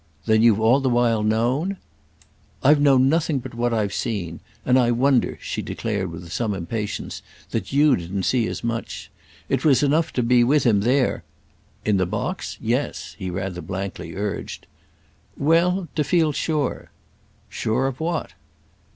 "Then you've all the while known—?" "I've known nothing but what I've seen; and I wonder," she declared with some impatience, "that you didn't see as much. It was enough to be with him there—" "In the box? Yes," he rather blankly urged. "Well—to feel sure." "Sure of what?"